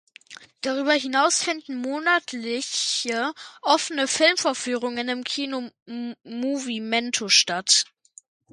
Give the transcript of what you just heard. Darüber hinaus finden monatliche offene Filmvorführungen im Kino Moviemento statt.